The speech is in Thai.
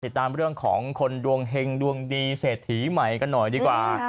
ติดตามเรื่องของคนดวงเฮงดวงดีเศรษฐีใหม่กันหน่อยดีกว่า